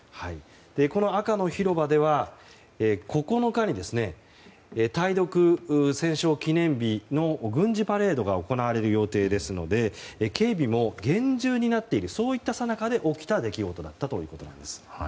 この赤の広場では、９日に対独戦勝記念日の軍事パレードが行われる予定ですので警備も厳重になっているさなかで起きた出来事だったんです。